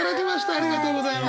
ありがとうございます。